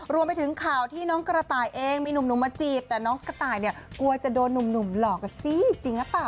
รวมไปถึงข่าวที่น้องกระต่ายเองมีหนุ่มมาจีบแต่น้องกระต่ายเนี่ยกลัวจะโดนหนุ่มหลอกกันสิจริงหรือเปล่า